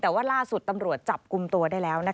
แต่ว่าล่าสุดตำรวจจับกลุ่มตัวได้แล้ว